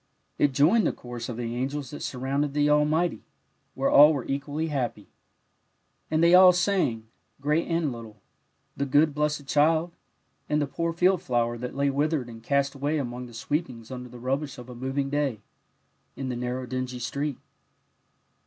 It joined the chorus of the angels that surrounded the Ahnighty, where all were equally happy. And they all sang, great and little, the good, blessed child, and the poor field flower that lay withered and cast away among the sweep ings under the rubbish of a moving day, in the narrow, dingy street.